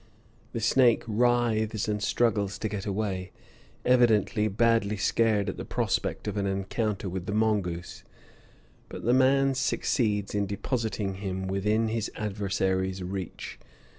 The snake writhes and struggles to get away, evidently badly scared at the prospect of an encounter with the mongoose; but the man succeeds in depositing him within his adversary's reach.